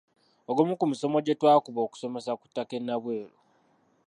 Ogumu ku misomo gye twakuba okusomesa ku ttaka e Nabweru.